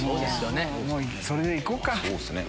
それで行こうか。